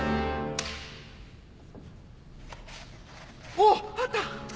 おっ！あった！